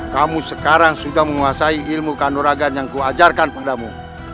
kamu sekarang sudah menguasai ilmu kanoragan yang ku ajarkan padamu